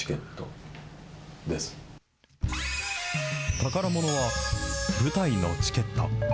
宝ものは舞台のチケット。